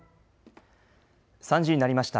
３時になりました。